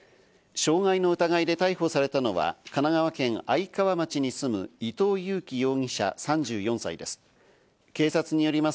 傷害の疑いで逮捕されたのは神奈川県愛川町に住む伊藤裕樹容疑者、３４歳です。